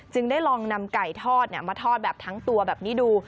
ได้ลองนำไก่ทอดมาทอดแบบทั้งตัวแบบนี้ดู